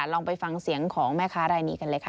ลองไปฟังเสียงของแม่ค้ารายนี้กันเลยค่ะ